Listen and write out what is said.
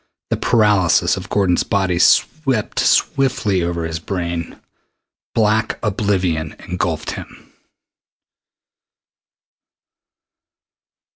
The paralysis of Gordon's body swept swiftly over his brain. Black oblivion engulfed him.